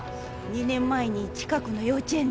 ２年前に近くの幼稚園でね